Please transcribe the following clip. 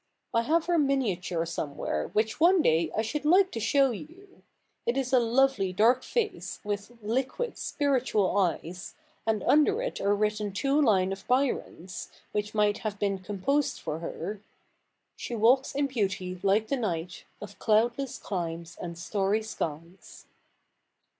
I have her miniature somewhere, which one day I should like to show you. It is a lovely dark face, with liquid, spiritual eyes, and under it are written two lines of Byron's, which might have been com posed for her :— She walks in beauty Hke the night Of cloudless climes and starry skies.